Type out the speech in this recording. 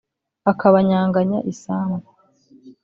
akabanyanganya isambu